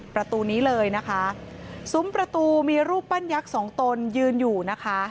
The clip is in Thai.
ประตูนี้เลยนะคะซุ้มประตูมีรูปปั้นยักษ์สองตนยืนอยู่นะคะ